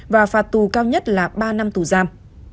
và phạt tù cao nhất là ba năm tù giam